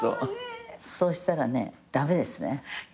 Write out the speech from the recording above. そしたら駄目ですね。